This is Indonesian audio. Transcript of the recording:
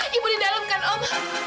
ibu di dalam kan om